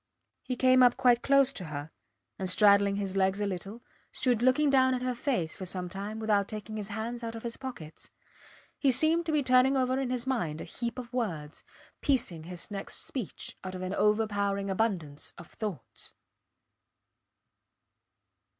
He came up quite close to her, and straddling his legs a little, stood looking down at her face for some time without taking his hands out of his pockets. He seemed to be turning over in his mind a heap of words, piecing his next speech out of an overpowering abundance of thoughts.